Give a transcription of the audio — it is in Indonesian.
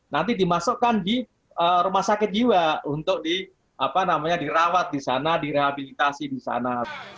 nanti dimasukkan di rumah sakit jiwa untuk dirawat di sana direhabilitasi di sana